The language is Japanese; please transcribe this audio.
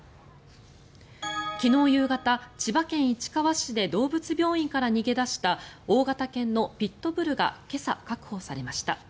昨日夕方、千葉県市川市で動物病院から逃げ出した大型犬のピットブルが今朝、確保されました。